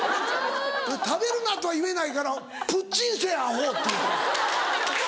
食べるなとは言えないから「プッチンせぇアホ！」って言うた。